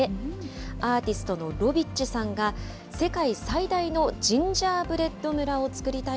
アーティストのロビッチさんが、世界最大のジンジャーブレッド村